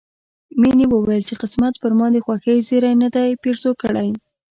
مينې وويل چې قسمت پر ما د خوښۍ زيری نه دی پيرزو کړی